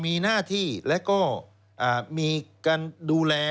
มีหน้าที่และก็มีการดูแล